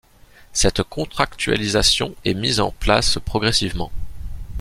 Cette contractualisation est mise en place progressivement.